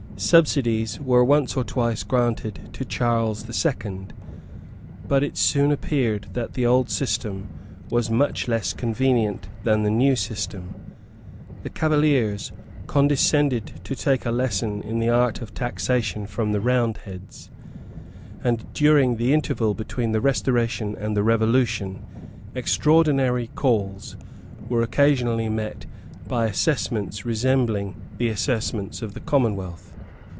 Subsidies were once or twice granted to Charles the Second. But it soon appeared that the old system was much less convenient than the new system. The Cavaliers condescended to take a lesson in the art of taxation from the Roundheads; and, during the interval between the Restoration and the Revolution, extraordinary calls were occasionally met by assessments resembling the assessments of the Commonwealth.